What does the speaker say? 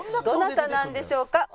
どなたなんでしょうか？